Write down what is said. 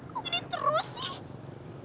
kok giniin terus sih